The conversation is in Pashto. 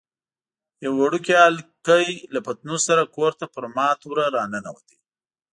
یو وړوکی هلکی له پتنوس سره کور ته پر مات وره راننوت.